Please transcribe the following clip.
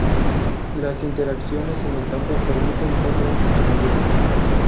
Las interacciones en el campo permiten compras inmediatas.